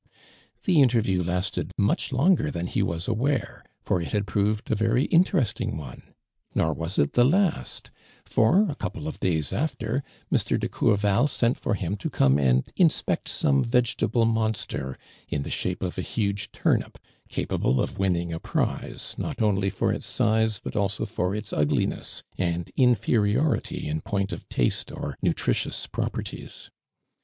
The inter view lasted much longer tlian he was aware, for it had prove<l a very interesting one ; nor was it the last, for, a couple of dayf* ftfter, Mr. de Coui val sent fur him to come and inspect some vegetable monster in the shape of a huge turnip, capable of winning a prize, not only for its size, but also for its. ugliness and inferiority in point of taste or nutritious properties.